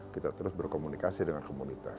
kita terus berkomunikasi dengan komunitas